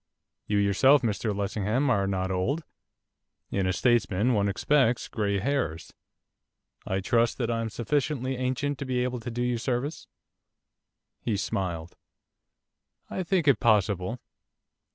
'You yourself, Mr Lessingham, are not old. In a statesman one expects grey hairs. I trust that I am sufficiently ancient to be able to do you service.' He smiled. 'I think it possible.